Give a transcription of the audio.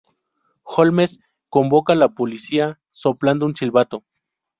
Holmes convoca la policía soplando un silbato.